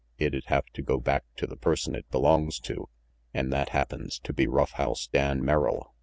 It'd have to go back to the person it belongs to, an' that happens to be Rough House Dan Merrill.